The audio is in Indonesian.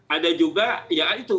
ada juga ya itu